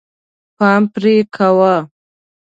پام پرې کوه.